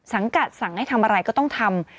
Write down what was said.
สังกัดสั่งให้ทำอะไรก็ต้องทำ